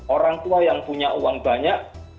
orang tua yang punya uang banyak